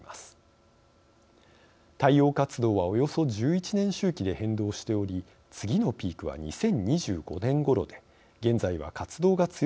太陽活動はおよそ１１年周期で変動しており次のピークは２０２５年ごろで現在は活動が強まる時期にあります。